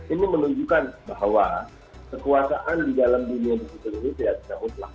ini menunjukkan bahwa kekuasaan di dalam dunia digital ini tidak bisa mutlak